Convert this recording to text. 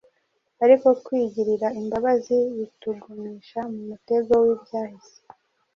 Ariko kwigirira imbabazi bitugumisha mu mutego w’ibyahise